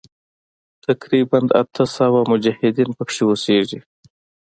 تقریباً اته سوه مجاهدین پکې اوسیږي.